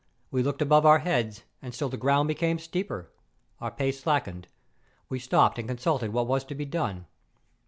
We looked above our heads, and still the ground became steeper. Our pace slackened; we stopped and consulted what was to be done.